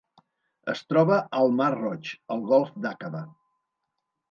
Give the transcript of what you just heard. Es troba al mar Roig: el Golf d'Aqaba.